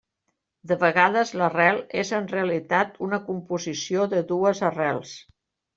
De vegades l'arrel és en realitat una composició de dues arrels.